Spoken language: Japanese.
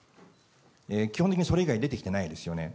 基本的にそれ以外出てきてないですよね。